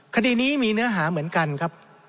คดีนี้มีเนื้อหาเหมือนกันครับ